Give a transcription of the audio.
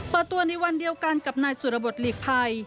เปิดตัวในวันเดียวกันกับนายสุรบทหลีกภัย